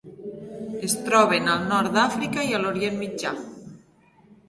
Es troben al nord d'Àfrica i l'Orient Mitjà.